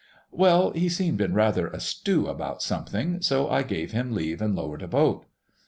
"Well, he seemed in rather a stew about something, so I gave him leave and lowered a boat.